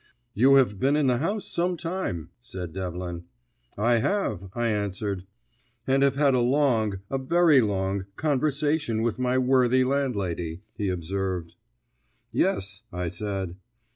"You have been in the house some time," said Devlin. "I have," I answered. "And have had a long, a very long, conversation with my worthy landlady," he observed. "Yes," I said.